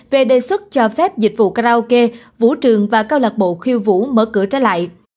về đề xuất cho phép dịch vụ karaoke vũ trường và câu lạc bộ khiêu vũ mở cửa trở lại